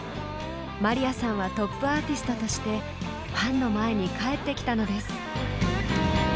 まりやさんはトップアーティストとしてファンの前に帰ってきたのです。